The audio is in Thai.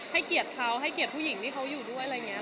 ให้เกลียดเขาให้เกลียดผู้หญิงที่เขาอยู่ด้วยอะไรอย่างเงี้ย